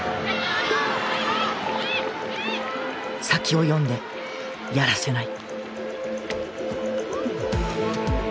先を読んでやらせない。